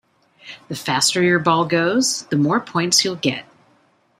The faster your ball goes, the more points you'll get.